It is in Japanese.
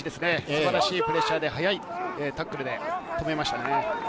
素晴らしいプレッシャーで速いタックルで止めましたね。